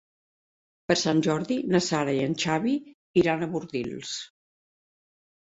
Per Sant Jordi na Sara i en Xavi iran a Bordils.